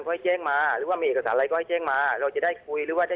ให้แจ้งมาหรือว่ามีเอกสารอะไรก็ให้แจ้งมาเราจะได้คุยหรือว่าจะ